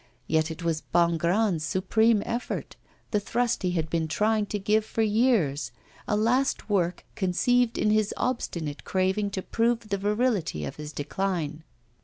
Yet it was Bongrand's supreme effort, the thrust he had been trying to give for years, a last work conceived in his obstinate craving to prove the virility of his decline.